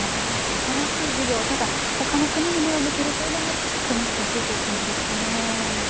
新しい事業、ただ他の国に目を向けるというのも難しいですかね？